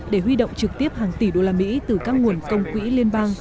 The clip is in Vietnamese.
để huy động trực tiếp hàng tỷ usd từ các nguồn công quỹ liên bang